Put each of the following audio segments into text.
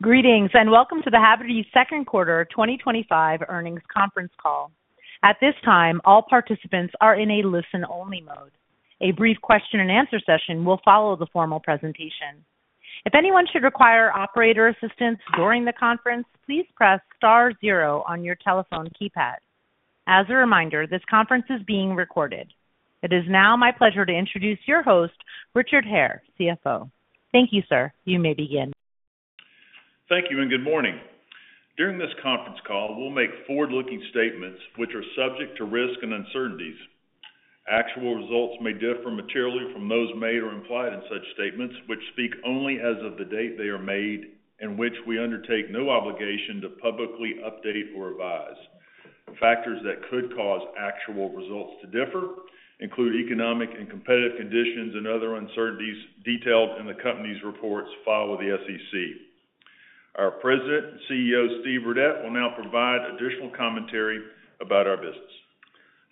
Greetings and welcome to the Haverty Furniture Companies, Inc. Second Quarter 2025 Earnings Conference Call. At this time, all participants are in a listen-only mode. A brief question and answer session will follow the formal presentation. If anyone should require operator assistance during the conference, please press *0 on your telephone keypad. As a reminder, this conference is being recorded. It is now my pleasure to introduce your host, Richard Hare, CFO. Thank you, sir. You may begin. Thank you and good morning. During this conference call, we'll make forward-looking statements, which are subject to risk and uncertainties. Actual results may differ materially from those made or implied in such statements, which speak only as of the date they are made and which we undertake no obligation to publicly update or revise. Factors that could cause actual results to differ include economic and competitive conditions and other uncertainties detailed in the company's reports filed with the SEC. Our President and CEO, Steve Burdette, will now provide additional commentary about our business.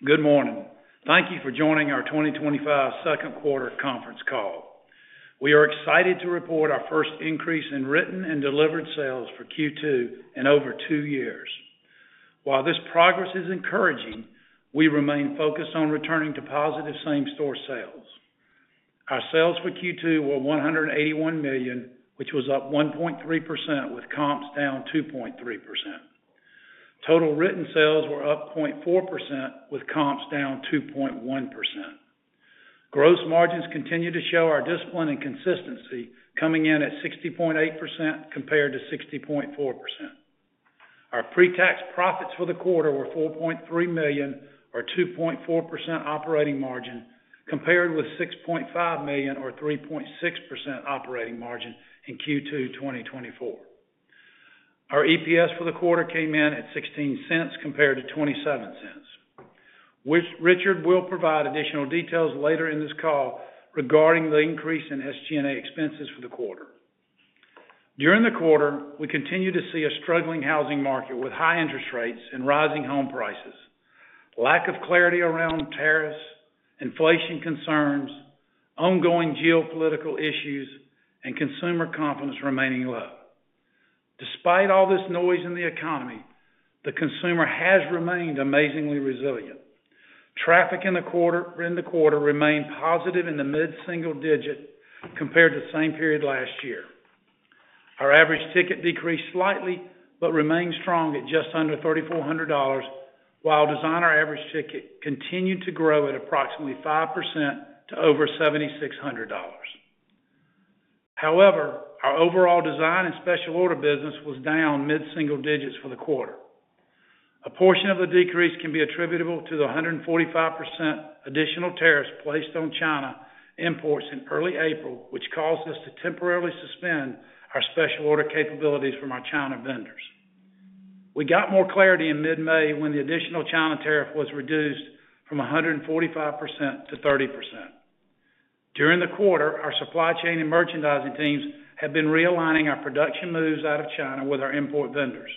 Good morning. Thank you for joining our 2025 Second Quarter Conference Call. We are excited to report our first increase in written and delivered sales for Q2 in over two years. While this progress is encouraging, we remain focused on returning to positive same-store sales. Our sales for Q2 were $181 million, which was up 1.3%, with comps down 2.3%. Total written sales were up 0.4%, with comps down 2.1%. Gross margins continue to show our discipline and consistency, coming in at 60.8% compared to 60.4%. Our pre-tax profits for the quarter were $4.3 million, or 2.4% operating margin, compared with $6.5 million, or 3.6% operating margin in Q2 2024. Our EPS for the quarter came in at $0.16 compared to $0.27. Richard will provide additional details later in this call regarding the increase in SG&A expenses for the quarter. During the quarter, we continue to see a struggling housing market with high interest rates and rising home prices, lack of clarity around tariffs, inflation concerns, ongoing geopolitical issues, and consumer confidence remaining low. Despite all this noise in the economy, the consumer has remained amazingly resilient. Traffic in the quarter remained positive in the mid-single digit compared to the same period last year. Our average ticket decreased slightly but remained strong at just under $3,400, while designer average ticket continued to grow at approximately 5% to over $7,600. However, our overall design and special order business was down mid-single digits for the quarter. A portion of the decrease can be attributable to the 145% additional tariffs placed on China imports in early April, which caused us to temporarily suspend our special order capabilities from our China vendors. We got more clarity in mid-May when the additional China tariff was reduced from 145% to 30%. During the quarter, our supply chain and merchandising teams have been realigning our production moves out of China with our import vendors.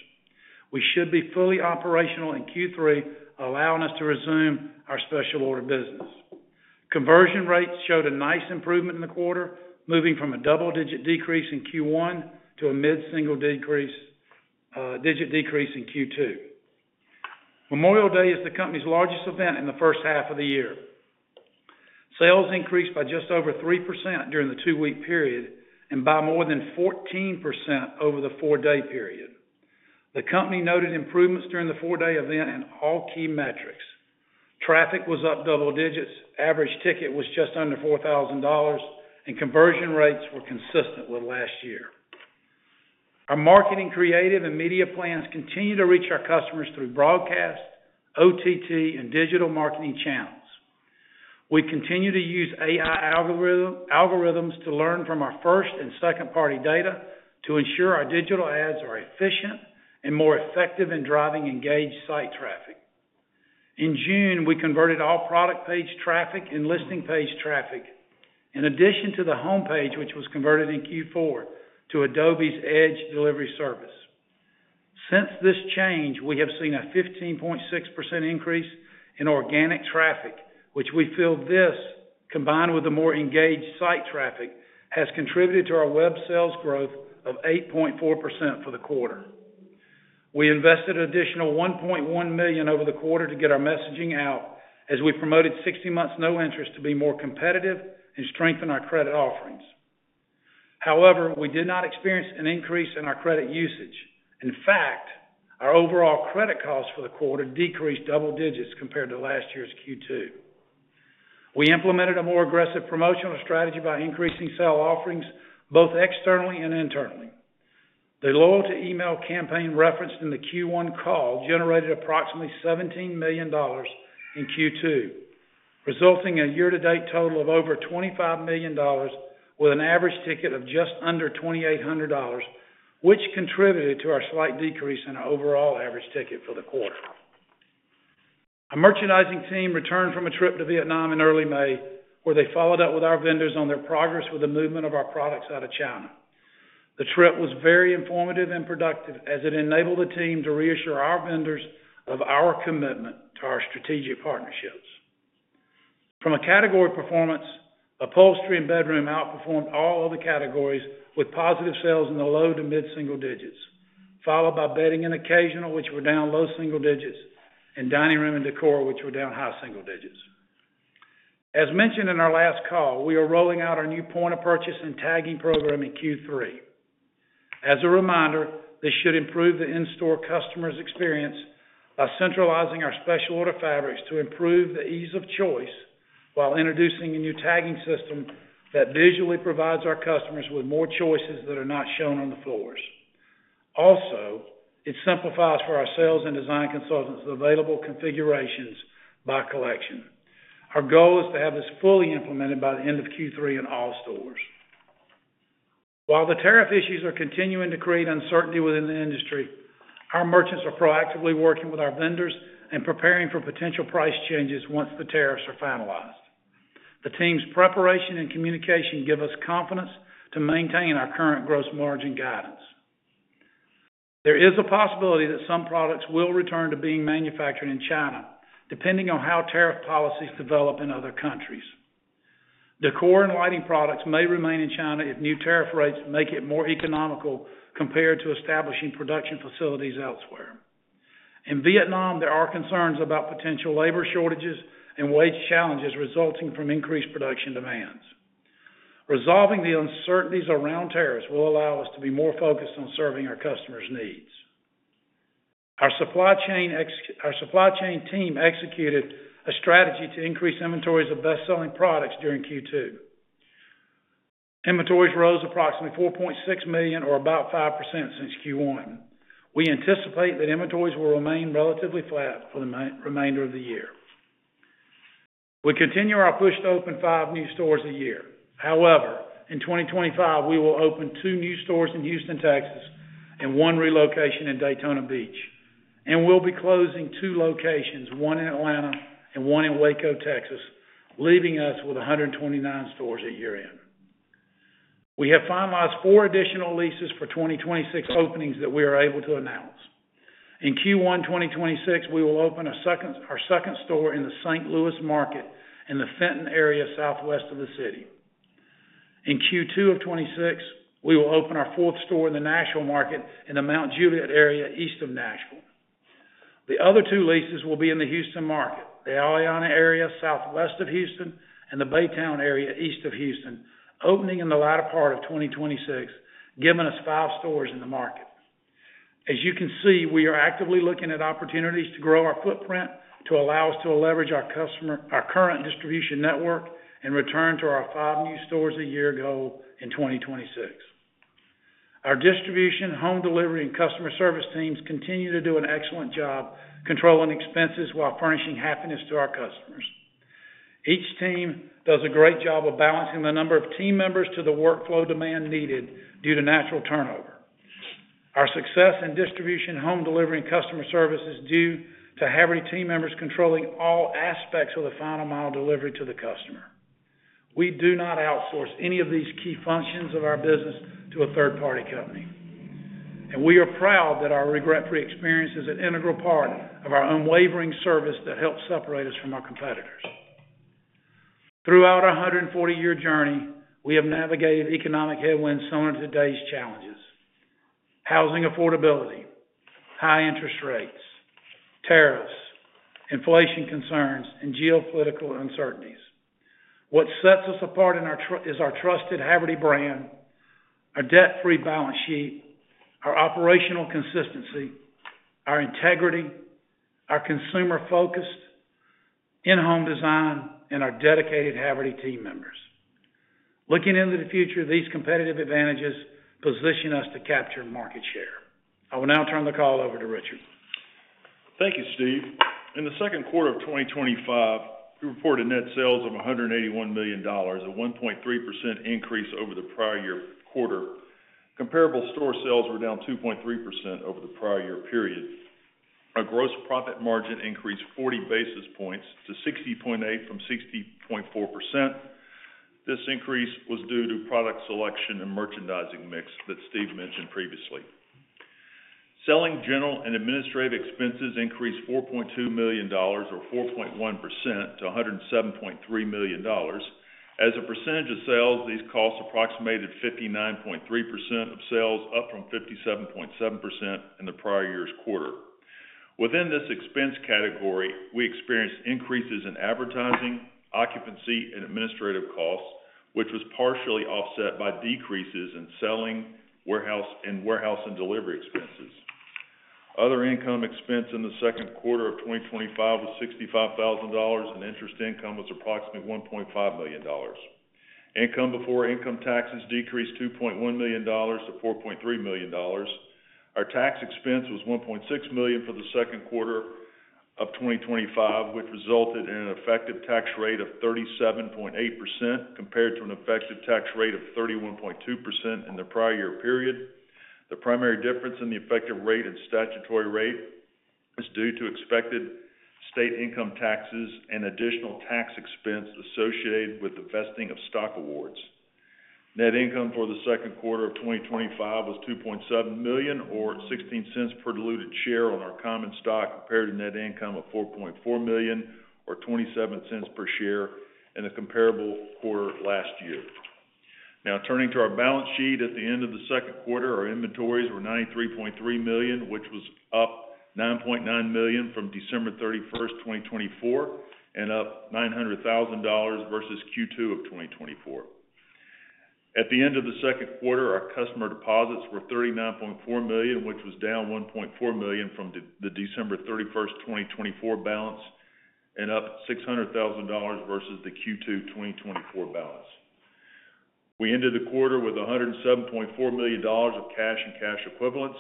We should be fully operational in Q3, allowing us to resume our special order business. Conversion rates showed a nice improvement in the quarter, moving from a double-digit decrease in Q1 to a mid-single digit decrease in Q2. Memorial Day is the company's largest event in the first half of the year. Sales increased by just over 3% during the two-week period and by more than 14% over the four-day period. The company noted improvements during the four-day event in all key metrics. Traffic was up double digits, average ticket was just under $4,000, and conversion rates were consistent with last year. Our marketing creative and media plans continue to reach our customers through broadcast, OTT, and digital marketing channels. We continue to use AI algorithms to learn from our first and second-party data to ensure our digital ads are efficient and more effective in driving engaged site traffic. In June, we converted all product page traffic and listing page traffic, in addition to the homepage, which was converted in Q4 to Adobe Edge delivery service. Since this change, we have seen a 15.6% increase in organic traffic, which we feel this, combined with the more engaged site traffic, has contributed to our web sales growth of 8.4% for the quarter. We invested an additional $1.1 million over the quarter to get our messaging out, as we promoted 60 months no interest to be more competitive and strengthen our credit offerings. However, we did not experience an increase in our credit usage. In fact, our overall credit cost for the quarter decreased double digits compared to last year's Q2. We implemented a more aggressive promotional strategy by increasing sale offerings both externally and internally. The loyalty email campaign referenced in the Q1 call generated approximately $17 million in Q2, resulting in a year-to-date total of over $25 million, with an average ticket of just under $2,800, which contributed to our slight decrease in our overall average ticket for the quarter. A merchandising team returned from a trip to Vietnam in early May, where they followed up with our vendors on their progress with the movement of our products out of China. The trip was very informative and productive, as it enabled the team to reassure our vendors of our commitment to our strategic partnerships. From a category performance, upholstery and bedroom outperformed all other categories with positive sales in the low to mid-single digits, followed by bedding and occasional, which were down low single digits, and dining room and decor, which were down high single digits. As mentioned in our last call, we are rolling out our new point of purchase and tagging program in Q3. As a reminder, this should improve the in-store customer's experience by centralizing our special order fabrics to improve the ease of choice while introducing a new tagging system that visually provides our customers with more choices that are not shown on the floors. Also, it simplifies for our sales and design consultants the available configurations by collection. Our goal is to have this fully implemented by the end of Q3 in all stores. While the tariff issues are continuing to create uncertainty within the industry, our merchants are proactively working with our vendors and preparing for potential price changes once the tariffs are finalized. The team's preparation and communication give us confidence to maintain our current gross margin guidance. There is a possibility that some products will return to being manufactured in China, depending on how tariff policies develop in other countries. Decor and lighting products may remain in China if new tariff rates make it more economical compared to establishing production facilities elsewhere. In Vietnam, there are concerns about potential labor shortages and wage challenges resulting from increased production demands. Resolving the uncertainties around tariffs will allow us to be more focused on serving our customers' needs. Our supply chain team executed a strategy to increase inventories of best-selling products during Q2. Inventories rose approximately $4.6 million, or about 5% since Q1. We anticipate that inventories will remain relatively flat for the remainder of the year. We continue our push to open five new stores a year. However, in 2025, we will open two new stores in Houston, Texas, and one relocation in Daytona Beach, and we'll be closing two locations, one in Atlanta and one in Waco, Texas, leaving us with 129 stores at year-end. We have finalized four additional leases for 2026 openings that we are able to announce. In Q1 2026, we will open our second store in the St. Louis market in the Fenton area, southwest of the city. In Q2 of 2026, we will open our fourth store in the Nashville market in the Mount Juliet area, east of Nashville. The other two leases will be in the Houston market, the Alliana area, southwest of Houston, and the Baytown area, east of Houston, opening in the latter part of 2026, giving us five stores in the market. As you can see, we are actively looking at opportunities to grow our footprint to allow us to leverage our customer, our current distribution network, and return to our five new stores a year goal in 2026. Our distribution, home delivery, and customer service teams continue to do an excellent job controlling expenses while furnishing happiness to our customers. Each team does a great job of balancing the number of team members to the workflow demand needed due to natural turnover. Our success in distribution, home delivery, and customer service is due to Haverty team members controlling all aspects of the final mile delivery to the customer. We do not outsource any of these key functions of our business to a third-party company, and we are proud that our regret-free experience is an integral part of our unwavering service that helps separate us from our competitors. Throughout our 140-year journey, we have navigated economic headwinds similar to today's challenges: housing affordability, high interest rates, tariffs, inflation concerns, and geopolitical uncertainties. What sets us apart is our trusted Haverty brand, our debt-free balance sheet, our operational consistency, our integrity, our consumer-focused in-home design, and our dedicated Haverty team members. Looking into the future, these competitive advantages position us to capture market share. I will now turn the call over to Richard. Thank you, Steve. In the second quarter of 2025, we reported net sales of $181 million, a 1.3% increase over the prior year quarter. Comparable store sales were down 2.3% over the prior year period. Our gross profit margin increased 40 basis points to 60.8% from 60.4%. This increase was due to product selection and merchandising mix that Steve mentioned previously. Selling, general, and administrative expenses increased $4.2 million, or 4.1%, to $107.3 million. As a percentage of sales, these costs approximated 59.3% of sales, up from 57.7% in the prior year's quarter. Within this expense category, we experienced increases in advertising, occupancy, and administrative costs, which was partially offset by decreases in selling and warehouse and delivery expenses. Other income expense in the second quarter of 2025 was $65,000, and interest income was approximately $1.5 million. Income before income taxes decreased $2.1 million to $4.3 million. Our tax expense was $1.6 million for the second quarter of 2025, which resulted in an effective tax rate of 37.8% compared to an effective tax rate of 31.2% in the prior year period. The primary difference in the effective rate and statutory rate is due to expected state income taxes and additional tax expense associated with the vesting of stock awards. Net income for the second quarter of 2025 was $2.7 million, or $0.16 per diluted share on our common stock, compared to net income of $4.4 million, or $0.27 per share in a comparable quarter last year. Now, turning to our balance sheet, at the end of the second quarter, our inventories were $93.3 million, which was up $9.9 million from December 31, 2024, and up $900,000 versus Q2 of 2024. At the end of the second quarter, our customer deposits were $39.4 million, which was down $1.4 million from the December 31, 2024 balance, and up $600,000 versus the Q2 2024 balance. We ended the quarter with $107.4 million of cash and cash equivalents.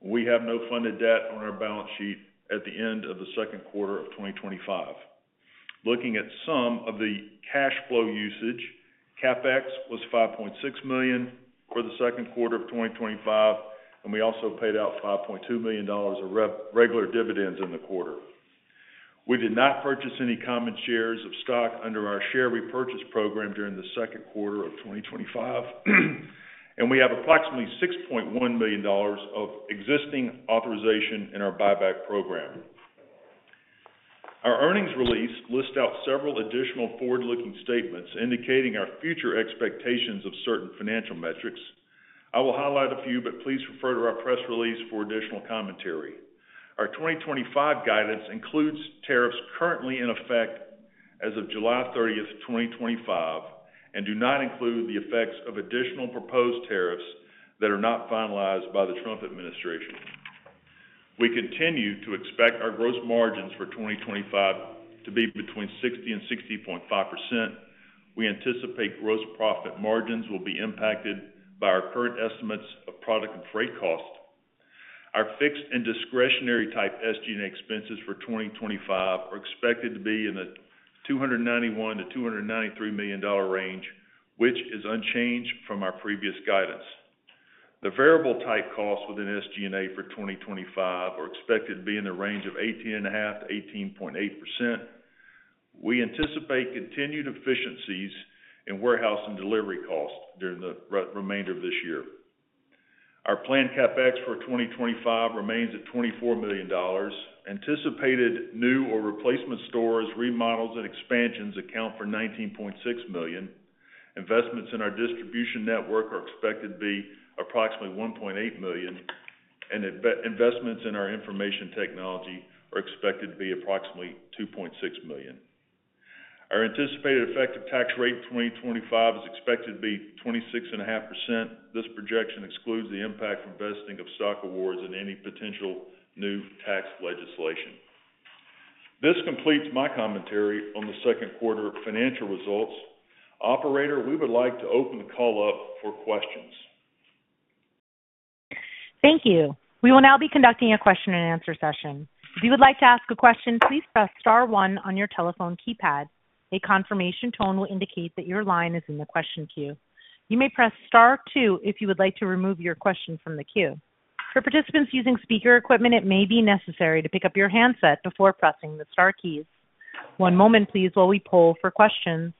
We have no funded debt on our balance sheet at the end of the second quarter of 2025. Looking at some of the cash flow usage, CapEx was $5.6 million for the second quarter of 2025, and we also paid out $5.2 million of regular dividends in the quarter. We did not purchase any common shares of stock under our share repurchase program during the second quarter of 2025, and we have approximately $6.1 million of existing authorization in our buyback program. Our earnings release lists out several additional forward-looking statements indicating our future expectations of certain financial metrics. I will highlight a few, but please refer to our press release for additional commentary. Our 2025 guidance includes tariffs currently in effect as of July 30, 2025, and does not include the effects of additional proposed tariffs that are not finalized by the Trump administration. We continue to expect our gross margins for 2025 to be between 60% and 60.5%. We anticipate gross profit margins will be impacted by our current estimates of product and freight costs. Our fixed and discretionary type SG&A expenses for 2025 are expected to be in the $291 million-$293 million range, which is unchanged from our previous guidance. The variable type costs within SG&A for 2025 are expected to be in the range of 18.5%-18.8%. We anticipate continued efficiencies in warehouse and delivery costs during the remainder of this year. Our planned CapEx for 2025 remains at $24 million. Anticipated new or replacement stores, remodels, and expansions account for $19.6 million. Investments in our distribution network are expected to be approximately $1.8 million, and investments in our information technology are expected to be approximately $2.6 million. Our anticipated effective tax rate in 2025 is expected to be 26.5%. This projection excludes the impact from vesting of stock awards and any potential new tax legislation. This completes my commentary on the second quarter financial results. Operator, we would like to open the call up for questions. Thank you. We will now be conducting a question and answer session. If you would like to ask a question, please press star one on your telephone keypad. A confirmation tone will indicate that your line is in the question queue. You may press star two if you would like to remove your question from the queue. For participants using speaker equipment, it may be necessary to pick up your handset before pressing the star keys. One moment, please, while we poll for questions.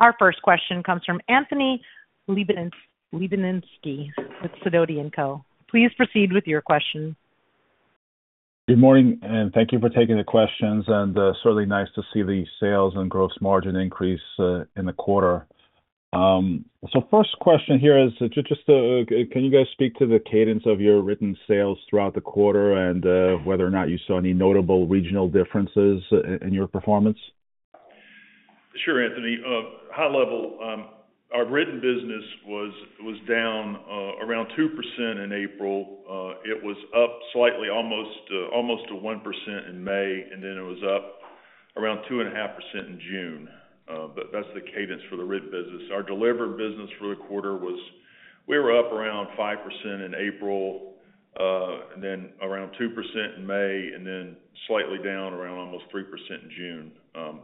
Our first question comes from Anthony Lebiedzinski with Sidoti & Co. Please proceed with your question. Good morning, and thank you for taking the questions, and it's certainly nice to see the sales and gross margin increase in the quarter. First question here is just, can you guys speak to the cadence of your written sales throughout the quarter and whether or not you saw any notable regional differences in your performance? Sure, Anthony. High level, our written business was down around 2% in April. It was up slightly, almost to 1% in May, and it was up around 2.5% in June. That's the cadence for the written business. Our delivered business for the quarter was, we were up around 5% in April, then around 2% in May, and then slightly down around almost 3% in June.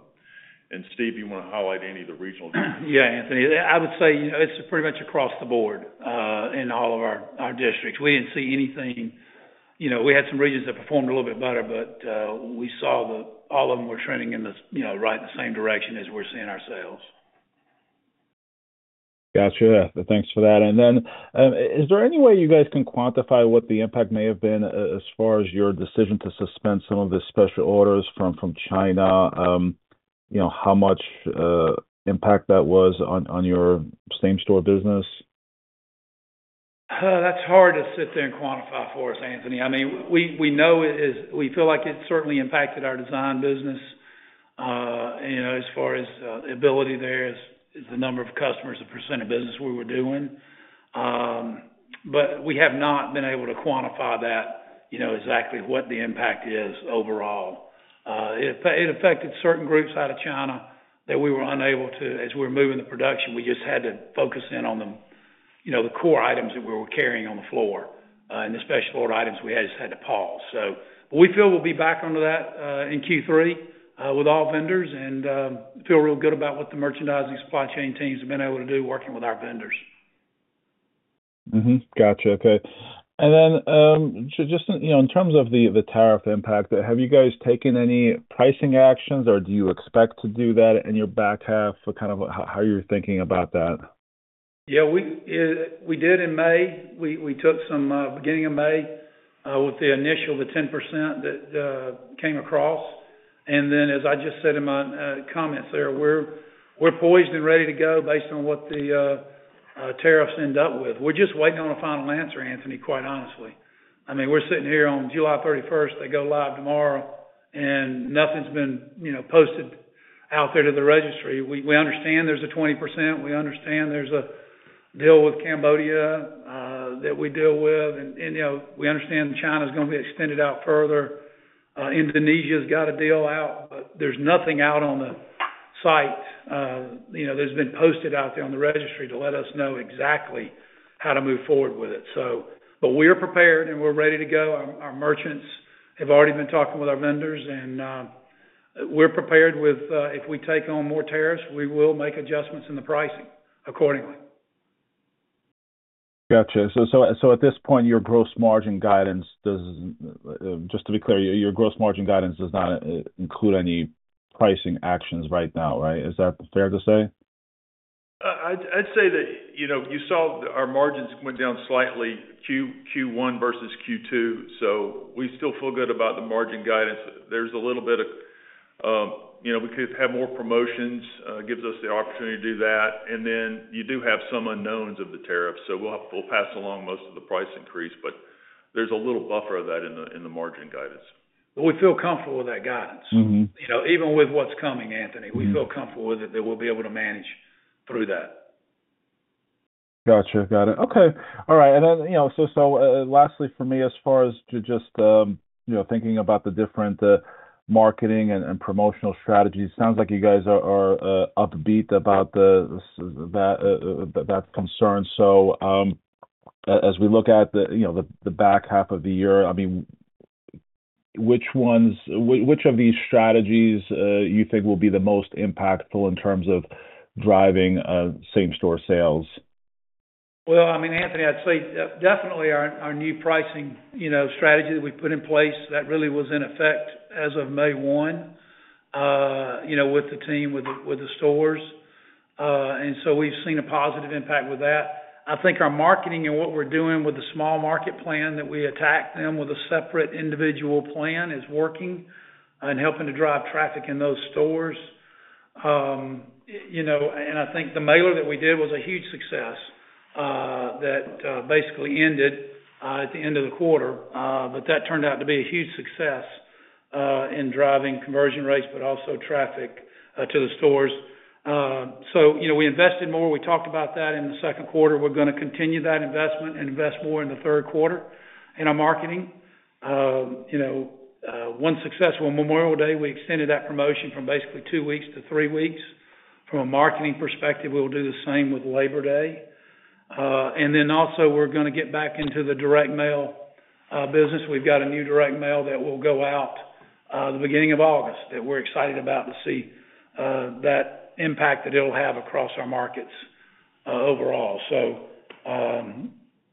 Steve, you want to highlight any of the regional? Yeah, Anthony. I would say it's pretty much across the board in all of our districts. We didn't see anything. We had some regions that performed a little bit better, but we saw that all of them were trending right in the same direction as we're seeing ourselves. Gotcha. Thanks for that. Is there any way you guys can quantify what the impact may have been as far as your decision to suspend some of the special orders from China? You know, how much impact that was on your same-store business? That's hard to sit there and quantify for us, Anthony. I mean, we know it is, we feel like it certainly impacted our design business, you know, as far as the ability there is the number of customers, the % of business we were doing. We have not been able to quantify that, you know, exactly what the impact is overall. It affected certain groups out of China that we were unable to, as we were moving the production, we just had to focus in on the, you know, the core items that we were carrying on the floor. The special order items we had just had to pause. We feel we'll be back onto that in Q3 with all vendors and feel real good about what the merchandising supply chain teams have been able to do working with our vendors. Gotcha. Okay. In terms of the tariff impact, have you guys taken any pricing actions or do you expect to do that in your back half? Kind of how you're thinking about that? Yeah, we did in May. We took some beginning of May with the initial, the 10% that came across. As I just said in my comments there, we're poised and ready to go based on what the tariffs end up with. We're just waiting on a final answer, Anthony, quite honestly. I mean, we're sitting here on July 31. They go live tomorrow and nothing's been posted out there to the registry. We understand there's a 20%. We understand there's a deal with Cambodia that we deal with. We understand China is going to be extended out further. Indonesia's got a deal out, but there's nothing out on the site that's been posted out there on the registry to let us know exactly how to move forward with it. We're prepared and we're ready to go. Our merchants have already been talking with our vendors and we're prepared with, if we take on more tariffs, we will make adjustments in the pricing accordingly. Gotcha. At this point, your gross margin guidance does, just to be clear, your gross margin guidance does not include any pricing actions right now, right? Is that fair to say? I'd say that you saw our margins went down slightly Q1 versus Q2. We still feel good about the margin guidance. There's a little bit of, you know, we could have had more promotions, gives us the opportunity to do that. You do have some unknowns of the tariffs. We'll pass along most of the price increase, but there's a little buffer of that in the margin guidance. We feel comfortable with that guidance. You know, even with what's coming, Anthony, we feel comfortable with it that we'll be able to manage through that. Got it. Okay. As far as just thinking about the different marketing and promotional strategies, it sounds like you guys are upbeat about that concern. As we look at the back half of the year, which ones, which of these strategies do you think will be the most impactful in terms of driving comparable store sales? I’d say definitely our new pricing strategy that we put in place that really was in effect as of May 1, with the team with the stores. We’ve seen a positive impact with that. I think our marketing and what we’re doing with the small market plan that we attacked them with a separate individual plan is working and helping to drive traffic in those stores. I think the mailer that we did was a huge success that basically ended at the end of the quarter. That turned out to be a huge success in driving conversion rates, but also traffic to the stores. We invested more. We talked about that in the second quarter. We’re going to continue that investment and invest more in the third quarter in our marketing. One successful Memorial Day, we extended that promotion from basically two weeks to three weeks. From a marketing perspective, we’ll do the same with Labor Day. We’re going to get back into the direct mail business. We’ve got a new direct mail that will go out the beginning of August that we’re excited about to see that impact that it’ll have across our markets overall.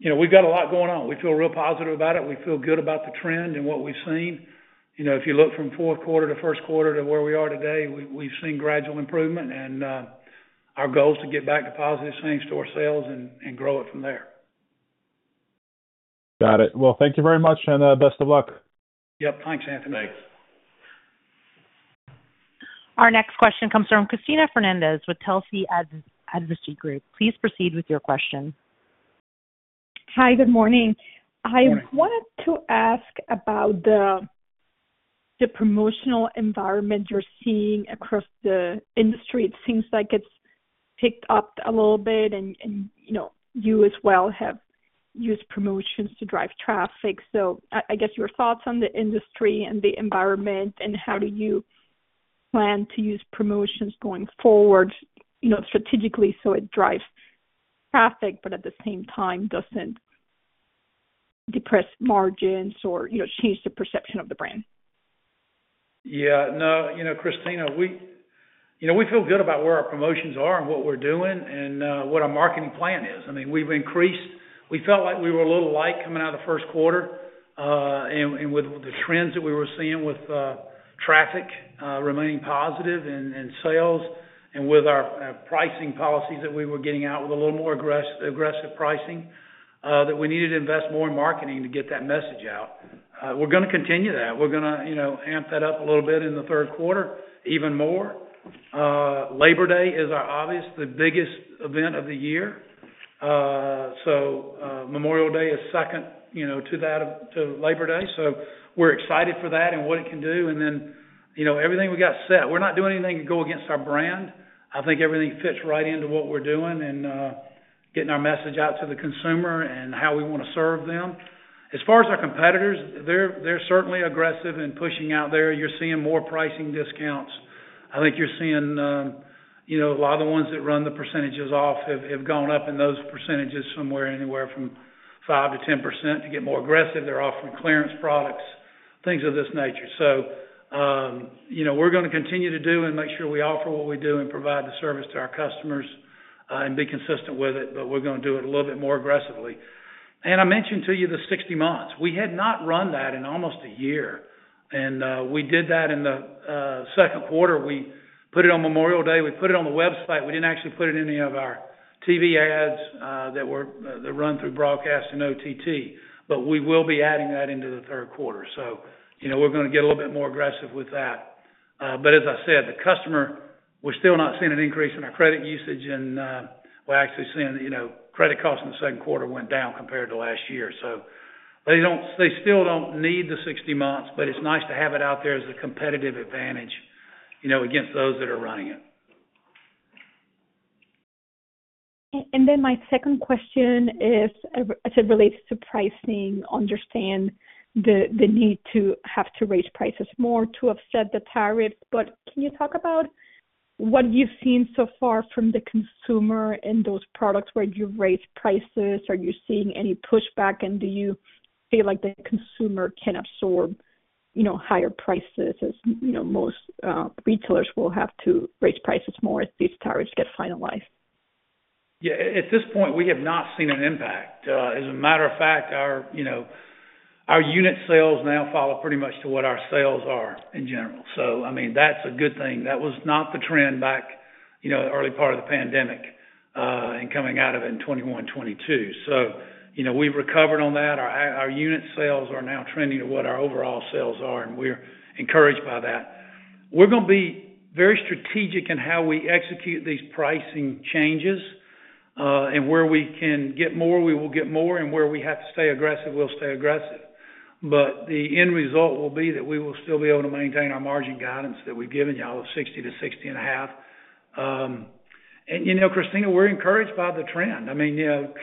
We’ve got a lot going on. We feel real positive about it. We feel good about the trend and what we’ve seen. If you look from fourth quarter to first quarter to where we are today, we’ve seen gradual improvement and our goal is to get back to positive same-store sales and grow it from there. Got it. Thank you very much, and best of luck. Yep. Thanks, Anthony. Thanks. Our next question comes from Christina Fernandez with Chelsea Advocacy Group. Please proceed with your question. Hi, good morning. I wanted to ask about the promotional environment you're seeing across the industry. It seems like it's picked up a little bit, and you as well have used promotions to drive traffic. I guess your thoughts on the industry and the environment, and how do you plan to use promotions going forward, you know, strategically so it drives traffic, but at the same time doesn't depress margins or, you know, change the perception of the brand? Yeah. No, you know, Christina, we feel good about where our promotions are and what we're doing and what our marketing plan is. I mean, we've increased, we felt like we were a little light coming out of the first quarter. With the trends that we were seeing with traffic remaining positive and sales and with our pricing policies that we were getting out with a little more aggressive pricing, we needed to invest more in marketing to get that message out. We're going to continue that. We're going to amp that up a little bit in the third quarter, even more. Labor Day is our obvious, the biggest event of the year. Memorial Day is second to that of Labor Day. We're excited for that and what it can do. Everything we got set, we're not doing anything to go against our brand. I think everything fits right into what we're doing and getting our message out to the consumer and how we want to serve them. As far as our competitors, they're certainly aggressive in pushing out there. You're seeing more pricing discounts. I think you're seeing a lot of the ones that run the percentages off have gone up in those percentages somewhere anywhere from 5% to 10% to get more aggressive. They're offering clearance products, things of this nature. We're going to continue to do and make sure we offer what we do and provide the service to our customers and be consistent with it, but we're going to do it a little bit more aggressively. I mentioned to you the 60 months. We had not run that in almost a year. We did that in the second quarter. We put it on Memorial Day. We put it on the website. We didn't actually put it in any of our TV ads that were run through broadcast and OTT. We will be adding that into the third quarter. We're going to get a little bit more aggressive with that. As I said, the customer, we're still not seeing an increase in our credit usage and we're actually seeing credit costs in the second quarter went down compared to last year. They still don't need the 60 months, but it's nice to have it out there as a competitive advantage against those that are running it. My second question is, as it relates to pricing, I understand the need to have to raise prices more to offset the tariff. Can you talk about what you've seen so far from the consumer in those products where you raise prices? Are you seeing any pushback? Do you feel like the consumer can absorb higher prices as most retailers will have to raise prices more if these tariffs get finalized? At this point, we have not seen an impact. As a matter of fact, our unit sales now follow pretty much to what our sales are in general. That is a good thing. That was not the trend back in the early part of the pandemic and coming out of it in 2021, 2022. We have recovered on that. Our unit sales are now trending to what our overall sales are, and we're encouraged by that. We are going to be very strategic in how we execute these pricing changes. Where we can get more, we will get more, and where we have to stay aggressive, we'll stay aggressive. The end result will be that we will still be able to maintain our margin guidance that we've given y'all of 60% to 60.5%. Christina, we're encouraged by the trend.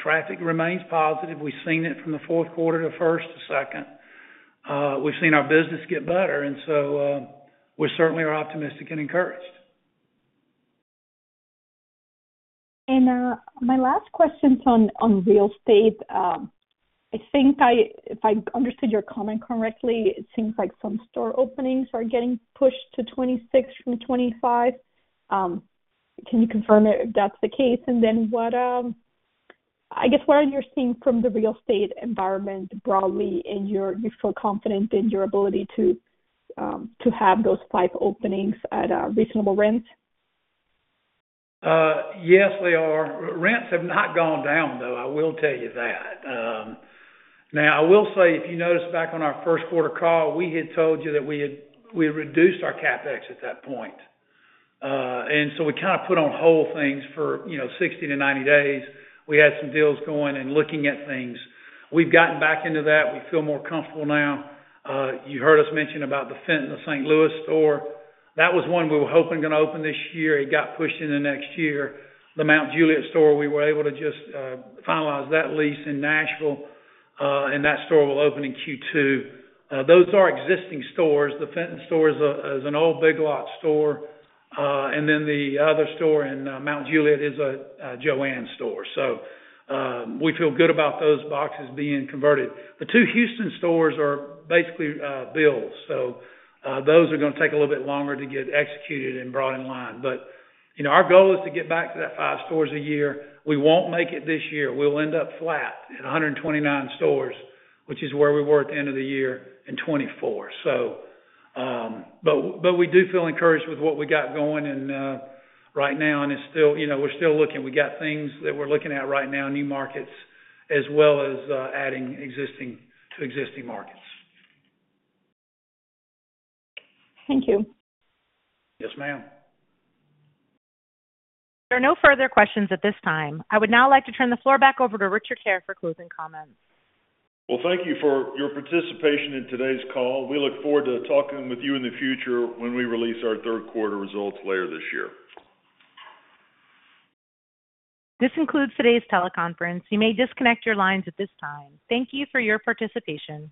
Traffic remains positive. We've seen it from the fourth quarter to first to second. We've seen our business get better, and we certainly are optimistic and encouraged. My last question is on real estate. I think if I understood your comment correctly, it seems like some store openings are getting pushed to 26% from 25%. Can you confirm if that's the case? What are you seeing from the real estate environment broadly? Do you feel confident in your ability to have those five openings at a reasonable rent? Yes, they are. Rents have not gone down, though. I will tell you that. Now, I will say, if you noticed back on our first quarter call, we had told you that we had reduced our CapEx at that point. We kind of put on hold things for, you know, 60 to 90 days. We had some deals going and looking at things. We've gotten back into that. We feel more comfortable now. You heard us mention about the Fenton St. Louis store. That was one we were hoping going to open this year. It got pushed into next year. The Mount Juliet store, we were able to just finalize that lease in Nashville, and that store will open in Q2. Those are existing stores. The Fenton store is an old Big Lots store, and then the other store in Mount Juliet is a JoAnn store. We feel good about those boxes being converted. The two Houston stores are basically builds, so those are going to take a little bit longer to get executed and brought in line. Our goal is to get back to that five stores a year. We won't make it this year. We'll end up flat at 129 stores, which is where we were at the end of the year in 2024. We do feel encouraged with what we got going right now. It's still, you know, we're still looking. We got things that we're looking at right now, new markets, as well as adding existing markets. Thank you. Yes, ma'am. There are no further questions at this time. I would now like to turn the floor back over to Richard Hare for closing comments. Thank you for your participation in today's call. We look forward to talking with you in the future when we release our third quarter results later this year. This concludes today's teleconference. You may disconnect your lines at this time. Thank you for your participation.